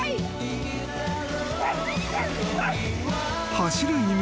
［走る犬。